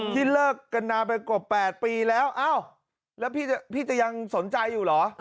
ที่เลิกกันนานไปกว่า๘ปีแล้วอ้าวแล้วพี่จะยังสนใจอยู่เหรอ